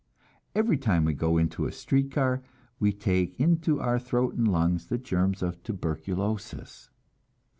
Every time we go into a street car, we take into our throat and lungs the germs of tuberculosis.